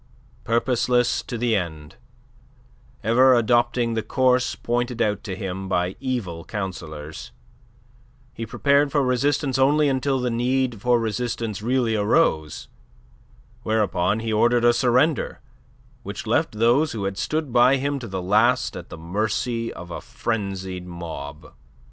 Purposeless to the end, ever adopting the course pointed out to him by evil counsellors, he prepared for resistance only until the need for resistance really arose, whereupon he ordered a surrender which left those who had stood by him to the last at the mercy of a frenzied mob.